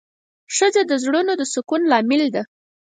ښځه د زړونو د سکون لامل ده.